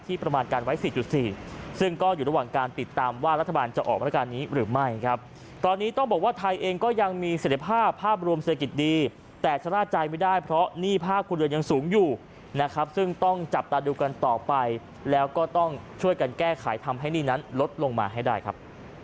แต่สลาดใจไม่ได้เพราะหนี้ภาคคุณเรือนยังสูงอยู่นะครับซึ่งต้องจับตาดูกันต่อไปแล้วก็ต้องช่วยกันแก้ไขทำให้หนี้นั้นลดลงมาให้ได้ครับ